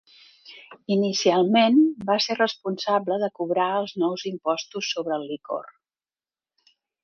Inicialment va ser responsable de cobrar els nous impostos sobre el licor.